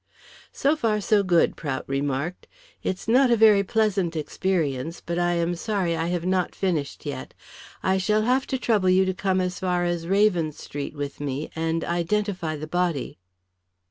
"So far so good," Prout remarked. "It's not a very pleasant experience, but I am sorry I have not finished yet. I shall have to trouble you to come as far as Raven Street with me and identify the body."